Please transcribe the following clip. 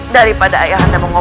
daripada ayahanda memperbaiki